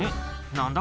何だ？